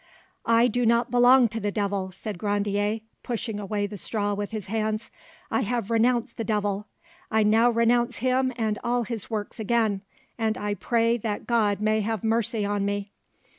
"I do not belong to the devil," said Grandier, pushing away the straw with his hands; "I have renounced the devil, I now renounce him and all his works again, and I pray that God may have mercy on me."